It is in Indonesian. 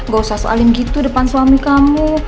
gak usah soalin gitu depan suami kamu